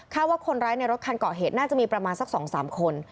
ว่าคนร้ายในรถคันเกาะเหตุน่าจะมีประมาณสัก๒๓คน